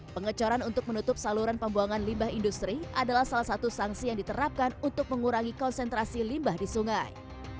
pengecoran untuk menutup saluran pembuangan limbah industri adalah salah satu sanksi yang diterapkan untuk mengurangi konsentrasi limbah di sungai